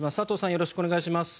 よろしくお願いします。